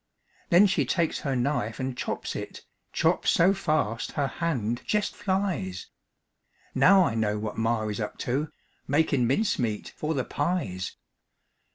Then she takes her knife an' chops it, Chops so fast her hand jest flies. Now I know what ma is up to Makin' mincemeat for the pies.